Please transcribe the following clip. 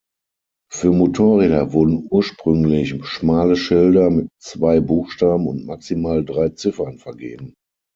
Für Motorräder wurden ursprünglich schmale Schilder mit zwei Buchstaben und maximal drei Ziffern vergeben.